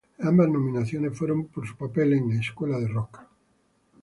Ambas nominaciones fueron por su papel en "Escuela de rock".